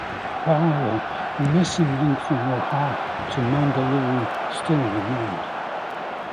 However, the missing link from Roha to Mangaluru still remained.